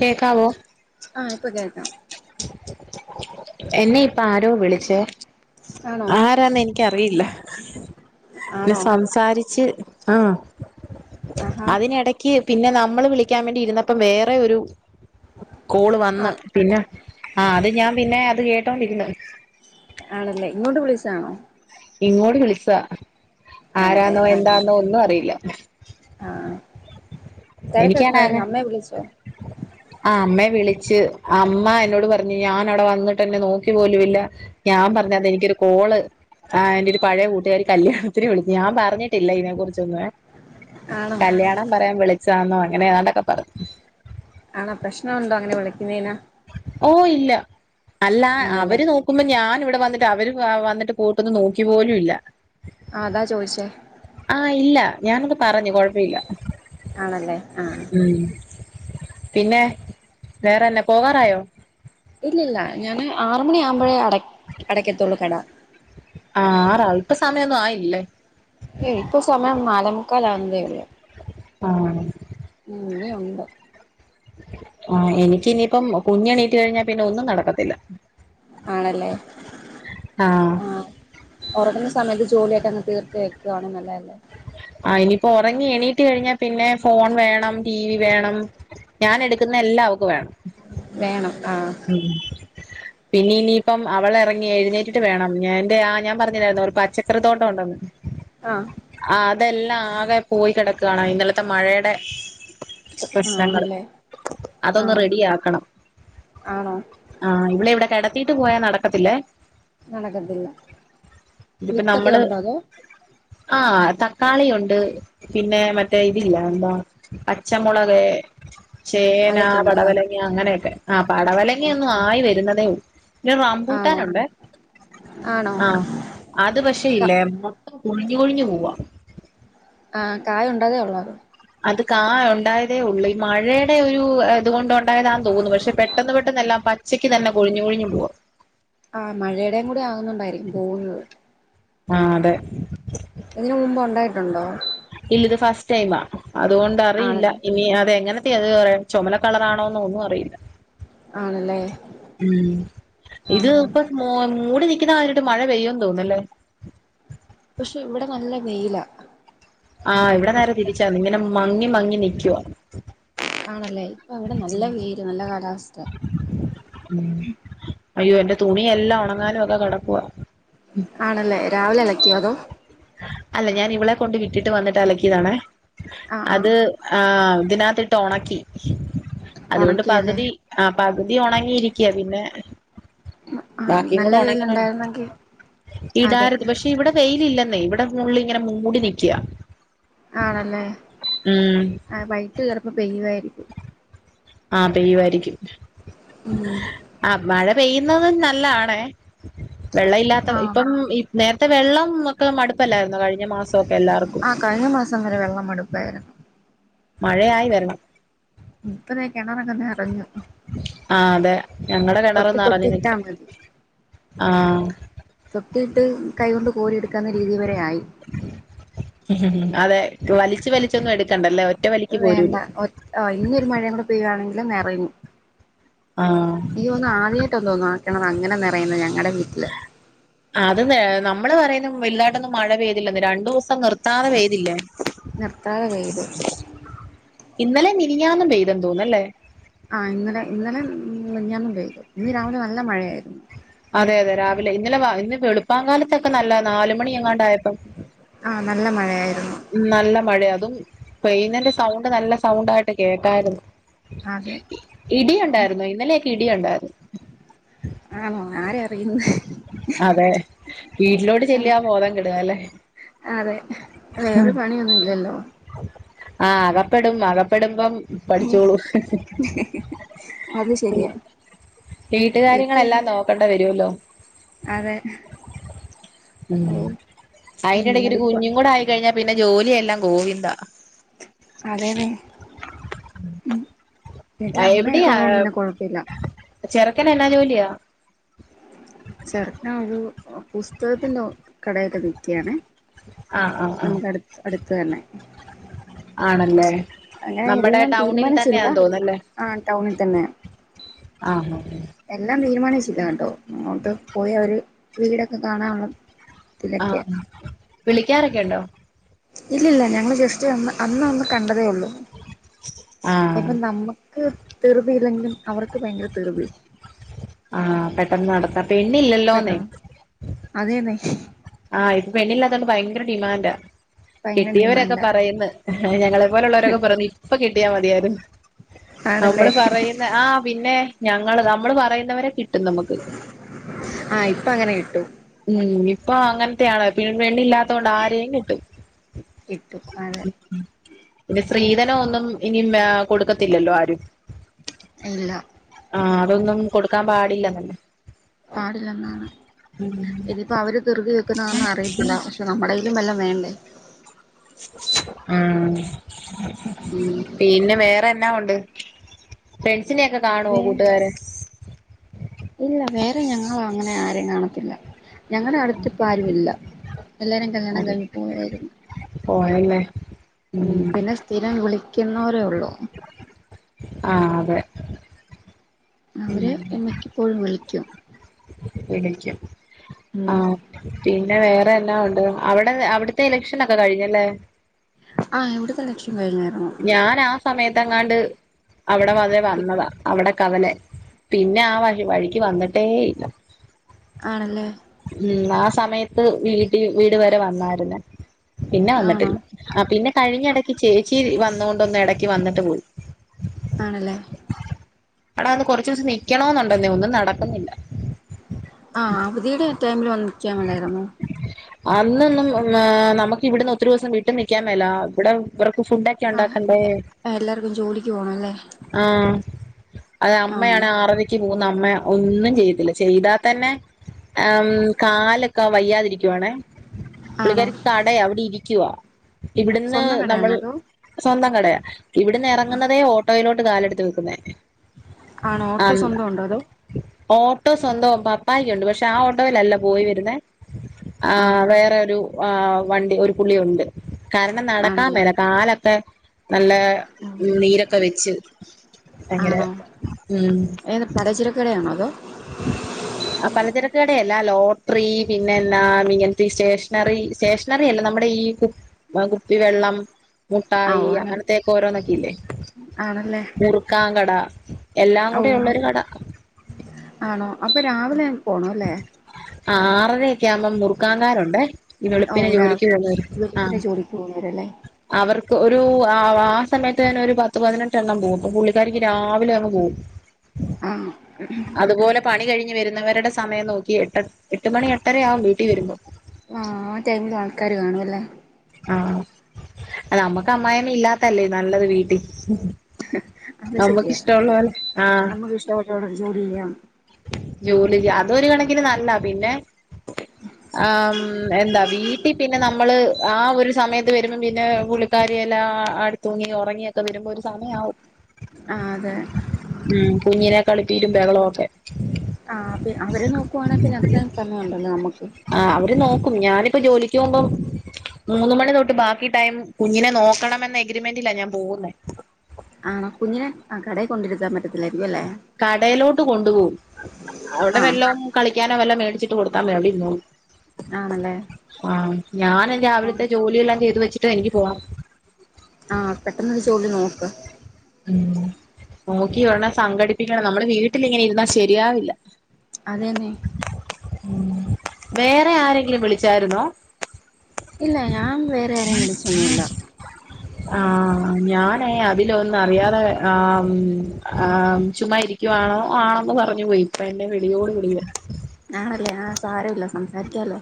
കേക്കാവോ? ആഹ് ഇപ്പ കേക്കാം എന്നെയിപ്പആരോ വിളിച്ചേ. ആണോ ആരാന്നെൻക്കറിയില്ല. പിനെ ആണോ സംസാരിച്ച്. ആഹ് ആഹാ അതിനെടയ്ക്ക് പിന്നെ നമ്മള് വിളിക്കാൻ വേണ്ടിയിരുന്നപ്പം വേറൊയൊരുകോള് ആ വന്ന്. പിന്നെ പി ആഹ് അത് ഞാൻ പിന്നെ അത് കേട്ടോണ്ടിരിന്ന്. ആണല്ലേ. ഇങ്ങോട്ട് വിളിച്ചതാണോ? ഇങ്ങോട്ട് വിളിച്ചതാ. ആണല്ലേ ആരാന്നോ ആഹ് എന്താന്നോ ഒന്നും അറിയില്ല. ആഹ് തിരക്കൊക്കെ എനിക്കാണേ അങ്ങ് കഴിഞ്ഞോ അമ്മയെ വിളിച്ചോ ആ അമ്മയെ വിളി ച്ച് അമ്മ എന്നോട് പറഞ് ഞാൻ അവടെ വന്നിട്ട് എന്നെ ന്നോക്കി പോലും ഇല്ല. ഞാൻ പറഞ് അതെനിക്കൊരു കോള് കോള് ആ എന്റൊരു പഴേ കൂട്ടുകാരി കല്യാണത്തിന് വിളിച്ചു. ഞാൻ പറഞ്ഞിട്ടില്ലയ്നെ കുറിച്ചൊന്നുവേ. ആണോ കല്യാണം പറയാൻ വിളിച്ചാന്നോ അങ്ങനെയെതാണ്ടൊക്കെ പറഞ്ഞു. ആണോ പ്രശ്നൊണ്ടോ അങ്ങനെ വിളിക്കുന്നേന്? ഓ ഇല്ല. അല്ല ആണല്ലേ അവര് നോക്കുമ്പോ ഞാൻ ഇവിടെ ട്ട് വന്ന്ട്ട് അവര് വ വന്ന്ട്ട് പൂട്ടൊന്ന് നോക്കിപ്പോലുല്ല. അതാ ചോയ്ച്ചേ ആഹ്, ഇല്ല ഞാനത് പറഞ്ഞു കൊഴപ്പീല്ല. ആണല്ലേ ആഹ് പിന്നെ വേറെന്ന പോകാറായോ? ഇല്ലല്ല. ഞാൻ ആറ് മണിയാകുമ്പഴേ അട അടക്കത്തൊള്ളൂ കടാ. ആ ആറാ ഇപ്പസമയൊന്നായില്ലേ ഏയ് ഇപ്പൊ സമയം നാലേമുക്കാലാകുന്നതേ ഉള്ളൂ ആ ഉം ഇനിയുണ്ട് ആ എനിക്ക് ഇനിയിപ്പം കുഞ്ഞ് എണീറ്റ് കഴിഞ്ഞാ പിന്നെ ഒന്നും നടക്കത്തില്ല ആണല്ലേ ആ ഉറങ്ങുന്ന സമയത്ത് ജോലിയൊക്കെ അങ്ങ് തീർത്ത് വെക്കുവാണേൽ നല്ലതല്ലേ ആ ഇനിപ്പോ ഒറങ്ങി എണീറ്റ് കഴിഞ്ഞാ പിന്നെ ഫോൺ വേണം ടി വി വേണം ഞാൻ എടുക്കുന്ന എല്ലാം അവ്ക്ക് വേണം വേണം ആ ഉം പിന്നെ ഇനിയിപ്പം അവള് ഇറങ്ങി എഴുന്നേറ്റിട്ട് വേണം ഞാഎന്റെ ആ ഞാൻ പറഞ്ഞില്ലായിരുന്നോ ഒരു പച്ചക്കറി തോട്ടം ഉണ്ടെന്ന് ആ അതെല്ലാം ആകെ പോയ്‌ കെടക്കേണ് ഇന്നലത്തെ മഴേടെ ആഹ് പ്രശ്നങ്ങള് ആണല്ലേ അതൊന്ന് ആഹ് റെഡിയാക്കണം ആണോ ല്ലെ ഇവിടെ കെടത്തിട്ട് പോയാ ന്നടക്കത്തില്ലേ നടക്കത്തില്ല ഇതിപ്പോ വിത്തൊക്കെ നമ്മള് ഉണ്ടോ അതോ ആ തക്കാളിയുണ്ട് പിന്നെ മറ്റേ ഇതില്ലേ എന്താ പച്ചമുളകെ ചേന അതൊക്കെ ഉണ്ടല്ലേ പടവലങ്ങ അങ്ങനെയൊക്കെ ആ പടവലങ്ങ ഒന്നും ആയി വരുന്നതേ ഉള്ളൂ പിന്നെ റമ്പൂട്ടാൻ ആണോ ഉണ്ട് ആണോ ആ അത് പക്ഷേ ക ഇല്ലേ കൊഴിഞ്ഞു കൊഴിഞ്ഞു പോവാ ആ കായ ഉണ്ടാതേ ഉള്ളത് അത് കാ ഉണ്ടായതേ ഉള്ളൂ ഈ മഴയുടെ ഒരു ഇതുകൊണ്ട് ഉണ്ടായതാെന്ന് തോന്നുന്നു പക്ഷെ പെട്ടെന്ന് പെട്ടെന്ന് എല്ലാം പച്ചക്കക്ക് തന്നെ കൊഴിഞ്ഞു കൊഴിഞ്ഞു പോവാ ആ മഴടയും കൂടി ആവുന്നുണ്ടായിരിക്കും പോകുന്നത് ആ അതെ ഇതിന് മുമ്പ് ഉണ്ടായിട്ടുണ്ടോ ഇല്ല ഇത് ഫസ്റ്റ് ടൈം അതുകൊണ്ട് അറിയില്ല ആണല്ലേ ഇനി അതെങ്ങനെ അത് ചുമല കളറാണോന്ന് ഒന്നും അറിയില്ല ആണല്ലേ ഉ ഇത് ആഹ് ആഹ് ഇപ്പോ മൂട് നിക്കുന്ന കണ്ടിട്ട് മഴ പെയ്യോന്ന് തോന്നുന്നല്ലേ പക്ഷെ ഇവിടെ നല്ല വെയിലാ ആ ഇവിടെ നേരെ തിരിച്ചാ ഇങ്ങനെ മങ്ങി മങ്ങി നിക്കുവാ ആണല്ലേ ഇപ്പൊ അവിടെ നല്ല വെയില് നല്ല കാലാവസ്ഥ അയ്യോ എന്റെ തുണിയെല്ലാം ഉണങ്ങാനും ഒക്കെ കിടക്കുവാ ആണല്ലേ രാവിലെ അലക്കിയോ അതോ അല്ല ഞാൻ ഇവളെ കൊണ്ട് വിട്ടിട്ട് വന്നിട്ട് അലക്കിയതാണെ ആഹ് ആഹ് അത് ആ ഇതിനകത്തിട്ട് ഉണക്കി അതുകൊണ്ട് ഒണക്കിയല്ലേ പകുതി ആ പകു ഇതി ഉണങ്ങിയിരിക്കുക പിന്നെ ആഹ് ബാക്കി നല്ല കൂടി ഉണക്കി വെയിലുണ്ടായിരുന്നെങ്കി അതെ ഇടാരുത് പക്ഷെ ഇവിടെ വെയിലല്ല ഇവിടെ ഫുള്ളിങ്ങനെ മൂടി നിക്കുക ആണല്ലേ ആ വൈകിട്ട് ചെലും പെയ്യുമായിരിക്കും ആ. പെയ്യുമായിരിക്കും ഉം പെയ്യുന്നതും നല്ലതണ വെള്ള ഇല്ലാത്ത ആഹ് ഇപ്പം നേരത്തെ വെള്ളം മടുപ്പല്ലായിരുന്നോ കഴിഞ്ഞ മാസമൊക്കെ എല്ലാർക്കും ആഹ് കഴിഞ്ഞ മാസം വരെ വെള്ളം മടുപ്പായിരുന്നു മഴയായി വരണം തന്ന കിണറങ്ങന്ന് നിറഞ്ഞു ആ അതെ ഞങ്ങടെ കിണറ് ഒട്ടു തൊട്ടി നറഞ്ഞു നിക്ക ഇട്ടാ മതി ആ തൊട്ടിയിട്ട് കൈകൊണ്ട് കോരിയെടുക്കാവുന്ന രീതി വരെ ആയി ഉ അതെ വലിച്ചു വലിച്ചൊന്നും എടുക്കണ്ടല്ലേ ഒറ്റ വലിക്ക് വേണ്ട പോരൂല്ലോ ഒ ഇന്നൊരു മഴയും കൂടെ പെയ്യയാണെങ്കിൽ നിറഞ്ഞു ആ ഇഈ ഒന്ന് ആദ്യമായിട്ട് ഒന്തോന്ന ആക്കണ അങ്ങനെ നിറയുന്നത് ഞങ്ങ അത് നമ്മള് പറയുന്നു വലുതാട്ടൊന്നും മഴ പെയ്തില്ല രണ്ടു ദിവസം നിർത്താതെ പെയ്തില്ലേ തതെ വയ്ത് ഇന്നലെ മരിഞ്ഞാന്നും വെയതം തോന്നല്ലേ ഉ ഞന്നുംപയോഗിക്കും ഇന്ന് രാവിലെ നല്ല മഴയായിരുന്നു അതെ അതെ രാവിലെ ഇന്നലെ ഇന്ന് വളുപ്പംകാലത്തൊക്കെ നല്ല നാല മണി എങ്ങാണ്ടായപ്പം ആഹ് നല്ല മഴയായിരുന്നു നല്ല മഴയ അതും പെയുന്നന്റെ സൗണ്ട് നല്ല സൗണ്ട ആായിട്ട് കേക്കായിരുന്നു അതെ ഇടിയ ഉണ്ടായിുന്ന ഇന്നലെയൊക്കെ ഇടിയ ഉണ്ടായിരുന്നു ആണോ ആരെ അറിയുന്നു അതെ വീട്ടിലോട് ആണ് ചെല്ലിയാ ബോധം കിടുന്നല്ലേ അതെ വേറൊരു പണിയൊന്നുംല്ലല്ലോ ആഹ അകപ്പെടും അകപ്പെെടുമ്പം പഠിച്ചോളൂ അത് ശരിയാ വീട്ടുകാര്യങ്ങളെല്ലാം നോക്കണ്ടി വരുല്ലോ അ ഉം അയിന്റെ ഡഗ്ര മടുപ്പ കുഞ്ഞും കൂടെ ആയിക്കഴിഞ്ഞാ പിന്നെ ജോലിയെല്ലാം ഗോവിന്ദാ അതെതേ ഉ വീട്ടില് അമ്മയൊക്കെ ഉള്ളതുകൊണ്ട് നിന്നെ കുഴപ്പമില്ല ചെറുക്കന എന്നാ ജോലിയാ ചെർക്ക ഒരു പുസ്തകത്തിന്റെ കടയില് നിക്കയണേ ആ ആ ആ നമുക്ക് അടുത്ത് അടുത്ത തന്നെ ആണല്ലേ അങ്ങനെ നമ്മുടെ എല്ലാം ടൗണിൽ തന്നെയാ തീരുമാനിച്ചില്ല തോന്നല്ലേ ആ ടൗണിൽ തന്നെ ആ എല്ലാം തീരുമാനിച്ചില്ല കേട്ടോ അങ്ങോട്ട് പോയി അവര് വീടൊക്കെ കാണാനുള്ള ആ ഇതിലൊക്കെയാ ആ വിളിക്കാറൊക്കെ ഉണ്ടോ ഇല്ലല്ല ഞങ്ങള് ജസ്റ്റ്ന്ന് അന്ന്ന്ന് കണ്ട കണ്ടതേയുള്ളൂ ആഹ് ഇപ്പം നമ്മുക്ക് തൃറുതി ഇല്ലെങ്കിലും അവർക്ക് അവർക്ക് ഭയങ്കരം ധൃതി ആ പെട്ടെന്ന് നടത്ത പെണ്ണില്ലല്ലോന്നെ പെട്ടെന്ന് അതേന്നെ ആ ഇപ്പ വെണില്ലാതൊണ്ട് ഭയങ്കര ഡിമാൻഡാ ഭയങ്കര കിട്ടിയവരൊക്കെ ഡിമാൻഡാ പറയുന്നു ഞങ്ങളെപ്പോലെുള്ളവരൊക്കെ പറുന്നു ഇപ്പൊ കിട്ടിയാ മതിയരുന്നു ആണല്ലേ നമ്മള് പറയുന്ന ആ പിന്നെ ഞങ്ങള് നമ്മള് പറയുന്നവരെ കി ആ ഇപ്പൊ അങ്ങനെ കിട്ടും ഉം ഇപ്പൊ അങ്ങനെ [unintelligible] പിന്ന പെണ്ണില്ലാത്തോണ്ട് ആരെയും കിട്ടും കിട്ടും അതെ ഇ സ്ത്രീധനം ഒന്നും ഇനി കൊടുക്കത്തില്ലല്ലോ ആരും ഇല്ല ആഹ് അതൊന്നും കൊടുക്കാൻ പാടില്ല തന്നെ പാടില്ലെന്നാണ് ഇതിപ്പോ അവര് തൃറുതി വെക്കുന്നന്നും അറിയിത്തില്ല പക്ഷെ നമ്മുടെടേയ്യിലും വല്ലാം വേണ്ടേ ഉം ഉം പിന്നെ വേറെ എന്നാ ഉണ്ട് ഫ്രണ്ട്സിനെ ഒക്കെ കാണുവോ വേ കൂട്ടുകാര ഇല്ല വേറെ ഞങ്ങള അങ്ങനെ ആരെയ കാണത്തില്ല ഞങ്ങളുടെ അടുത്ത്പ്പ ആരു ഇല്ല എല്ലാരും കല്യാണം ആര് കഴഞ്ഞി പോവായിരുന്നു പോയല്ലേ ഉം ഉ പിന്നെ സ്ഥിരം വിളി ക്കുന്നോരേ ഉള്ളൂ ആതെ അവര് എമ്മക്ക്പ്പോഴും വിളിക്കും വിളിക്കും ആ ഉം പിന്നെ വേറെ അവിടെന്നാ ഉണ്ട് അവിടെ അവിടുത്തെ ഇലക്ഷൻ ഒക്കെ കഴിഞ്ഞല്ലേ ആ ഇവിടുത്തെ ഇലക്ഷൻ കഴിഞ്ഞരുന്നു ഞാൻ ആ സമയത്ത് അങ്ങാണ്ട് അവിടെ വരെ വന്നതാ അവിടെ കവല പിന്നെ ആ വഴി വഴിക്ക് വന്നിട്ടേ ഇല്ല ആണല്ലേ ഉം ആ സമയത്ത് വീട്ട വീട് വരെ വന്നായിരുന്നേ പിന്നെ ആണോ വന്നിട്ടില്ല ആ പിന്നെ കഴിഞ്ഞ ഇടക്ക് ചേച്ചി വന്ന കൊണ്ടോണ്ട് ഒന്ന് ഇടക്ക് വന്നിട്ട് പോയി ആണല്ലേ അടാ അന്ന് കൊറച്ച ദിവസം നിക്കണ എന്നുണ്ടെന്നെ ഒന്നും നടക്കുന്നില്ല ആ അവധിയുടെ ടൈമില് വന്നു നി ക്കാൻ മേലായിരുന്നോ അന്നൊന്നും നമുക്ക് ഇവിടന്ന് ഒത്തിരി ദിവസം വീട്ടിൽ നൽക്കാൻ മേല ഇവിടെ ഇവ- ഫുഡ് ഒക്കെ ആഹ് ഉണ്ടാക്കണ്ടേ എല്ലാർക്കും ജോലിക്ക് പോണം അല്ലേ ആ അത് ആഹ് അമ്മയാണ് ആറരക്ക് പോകുന്ന അമ്മ ഒന്നും ചെയ്ത്തില്ല ചെയ്താൽ തന്നെ ആ കാലൊക്കെ വയ്യാതിരിക്കുവാണേ ആണോ പുള്ളിക്കാർക്ക് കടയാ അവിടെ ഇരിക്കുവാ ഇവിടുന്ന് സ്വന്തം നമ്മൾ കടയാണോ അതോ സ്വന്തം കടയാ ഇവിടുന്ന് ഇറങ്ങുന്നതേ ഓട്ടോയിലോട്ട് കാലെടുത്ത് വെക്കുന്നേ ആണോ ഓട്ടോ സ്വന്തം ഉണ്ടോ അതോ ഓട്ടോ സ്വന്തം പപ്പായക്കുണ്ട് പക്ഷെ ആ ഓട്ടോയില്ല പോയി വരുന്നെ ആ ആഹ് വേറെ ഒരു ആ വണ്ടി ഒരു പുള്ളിയുണ്ട് കാരണം നടക്കാ ആണല്ലേ മേലെ കാലൊക്കെ നല്ല നീരൊക്കെ വെച്ച് അങ്ങന ആണോ ഉം ഏത് പലചരക്കടയാണോ അതോ പലചരക്ക് കടയല്ല ലോട്ടറി പിന്നെ എന്നാ ഇങ്ങനത്തെ സ്റ്റേഷനറി സ്റ്റേഷനറി അല്ല നമ്മുടെ ഈ കു കുപ്പിവെള്ളം ആ മുട്ടായി ഓ അങ്ങനെ അങ്ങനത്തെയൊക്കെ ഓരോന്നൊക്കെയില്ലേ ആണല്ലേ മുറുക്കാൻ കട എല്ലാം ഓ കൂടെ ഒള്ളൊരു കട ആണോ അപ്പൊ രാവിലെ അങ്ങ് പോണ അല്ലേ ആ ആറരയൊക്കെ ആവുമ്പം മുറുക്കാകാരുണ്ടേ ഈ ഓ എളുപ്പിനെ ജോലിക്ക് രാവിലെ പേന്നവര് ആ ജോലിപ്പന്നെ ജോലിക്ക് പോകുന്നവരല്ലേ അവർ ക്ക് ഒരു ആ സമയത്ത് തന്നനെ ഒരു പത്ത് പതിനെട്ടെണ്ണം പോവും അപ്പൊ പുള്ളിക്കാരിക്ക് രാവിലെ അങ്ങ് പോവും ആഹ് അതുപോലെ പണി കഴിഞ്ഞ് വരുന്നവരുടെ സമയം നോക്കിയിട്ട് എട്ട് മണി എട്ടരയാവും വീട്ടി വരുമ്പോ കാര് കാണും അല്ലേ ആ നമ്മുക്ക് അമ്മായിയമ്മ ഇല്ലാത്തല്ലേ നല്ലത് വീട്ടി അത് നമ്മക്ക് ശരിയാ ഇഷ്ടള്ള പോലെ ആ നമുക്ക് ഇഷ്ടപ്പെട്ടോടെ ജോലി ചെയ്യാം ജോലിക്ക് അതൊരു കണക്കിന് നല്ല പിന്നെ ആ ഉം എന്താ വീട്ടിൽ പിന്നെ നമ്മള് ആ ഒരു സമയത്ത് വരുമ്പോം പിന്നെ പുള്ളിക്കാരി എല്ലാം അടുത്തൂങ്ങി ഒറങ്ങി ക്കെ വരുമ്പോ ഒരു സമയാവും ആ അതെ ഉം കുഞ്ഞിനെ കളിപ്പീരും ബഹളവും ഒക്കെ ആ അത് അവര് നോക്കുവാണെ പിന്നെ അത്രയും സമയമുണ്ടല്ലോ നമ്മുക്ക് ആ അവര് നോക്കും ഞാനിപ്പോ ജോലിക്ക് പോകുമ്പോം മൂന്ന് മണി തൊട്ട് ബാക്കി ടൈം കുഞ്ഞിനെ നോക്കണമെന്ന എഗ്രിമെന്റിലാ ഞാൻ പോകുന്നേ ആണോ കുഞ്ഞിനെ ആ കടയിൽ കൊണ്ടിരുത്താൻ പറ്റത്തില്ല കടയിലോട്ട് കൊണ്ടുപോകും അവിടെ ആ വല്ലോ കളിക്കാനോ വല്ല മേടിച്ചി ട്ട് കൊടുത്താമെ അവിടെ ഇരുന്നോളും ആണല്ലേ ആ ഞാൻ ആ രാവിലത്തെ ജോലിയെല്ലാം ചെയ്തു വെച്ചിട്ട് എനിക്ക് പോണം ആ പെട്ടെന്നൊരു ജോലി നോക്ക് ഉം നോക്കി ഉനെ സംഘടിപ്പിക്കണം നമ്മുടെ വീട്ടിലിങ്ങനെ ഇരുന്നാ ശരിയാവില്ല അത് തന്നെ ഉം വേറെ ആരെങ്കിലും വിളിച്ചാരുന്നോ ഇല്ല ഞാൻ വേറെ ആരേം വിളിച്ചൊന്നും ഇല്ല ഏ അതിലൊ ന്ന് അറിയാതെ ആഹ് മ് ആ ചുമ്മാ ഇരിക്കുവാണോ ആണന്ന് പറഞ്ഞു പോയി ഇപ്പ എന്നെ വിളി യോട് വിളിയാ ആണല്ലേ ആ സാര ഇല്ല സംസാരിക്കാലോ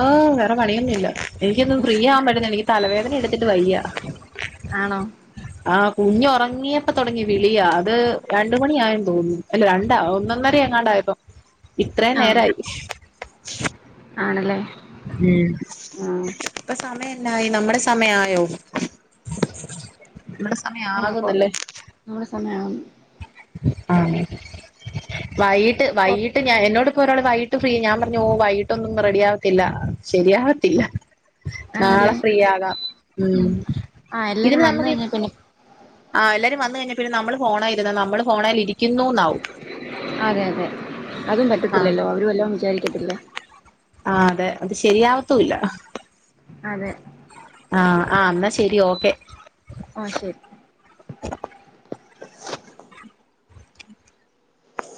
ആഹ് വേറെ പണിയൊന്നു ഇല്ല എനിക്കൊന്നും ഫ്രീ ആവാൻ പറ്റില്ല എനിക്ക് തലവേദന എടുത്തിട്ട് വയ്യ അ ആണോ ആഹ് കുഞ്ഞ് ഒറങ്ങിയപ്പ തൊടങ്ങിയ വിളിയാ അത് രണ്ട് മണിയായെന്നു തോന്നുന്നു അല്ല രണ്ടാ ഒന്ന് ഒന്നരയാ എങ്ങാണ്ടായപ്പോ ഇത്രയും ആ നേരായി ആണല്ലേ ഉം ആ ഇപ്പ സമയം എന്നായി നമ്മ്ടെ സമയം ആയോ നമ്മടെ സമയം ആ കൊ- ആകുന്നില്ലേ നമ്മുടെ സമയം ആണോ വയ്യിട്ട് വയ്യിട്ട് ഞാൻ എന്നോട് ഇന്ന്പ്പോ ഒരാള് വയ്യിട്ട് ഫ്രീ ഞാൻ പറഞ്ഞു ഓ വയ്യിട്ടൊന്നും റെഡി ആകത്തില്ല ശരിയാവത്തില്ല ആണല്ലേ നാളെ ഫ്രീ ആകാം ഉം ആ ഇതിന് എല്ലാരും വന്ന് നമ്മക്ക് ഇ കഴിഞ്ഞാ പിന്നെ ആ എല്ലാരും വന്ന് കഴിഞ്ഞാ പിന്നെ നമ്മള് ഫോണായിരുന്നാ നമ്മള് ഫോണേലിരി അതെ അതെ അതും ആഹ് പറ്റത്തില്ലല്ലോ അവരു വല്ലോം വിജാരിക്കത്തില്ലേ ആ അതെ അത് ശരിയാവത്തൂ ഇല്ല അതെ ആഹ് ആ എന്നാ ശെരി ഓക്കെ ആഹ് ശരി